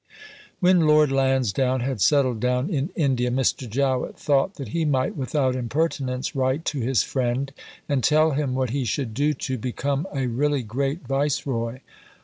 When Lord Lansdowne had settled down in India, Mr. Jowett thought that he might without impertinence write to his friend and tell him what he should do to become "a really great Viceroy."